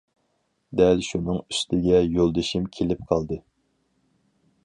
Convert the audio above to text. دەل شۇنىڭ ئۈستىگە يولدىشىم كېلىپ قالدى.